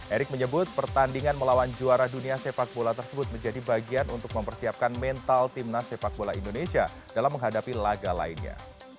erick menyebut pertandingan melawan juara dunia sepak bola tersebut menjadi bagian untuk mempersiapkan mental timnas sepak bola indonesia dalam menghadapi laga lainnya